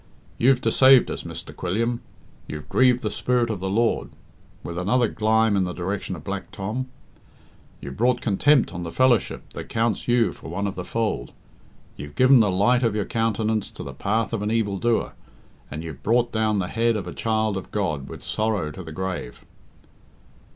You've deceaved us, Mr. Quilliam. You've grieved the Spirit of the Lord," with another "glime" in the direction of Black Tom; "you've brought contempt on the fellowship that counts you for one of the fold. You've given the light of your countenance to the path of an evildoer, and you've brought down the head of a child of God with sorrow to the grave."